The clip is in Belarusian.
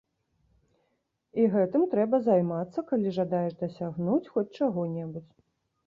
І гэтым трэба займацца, калі жадаеш дасягнуць хоць чаго-небудзь.